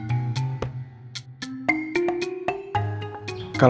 ya udah gue mau tidur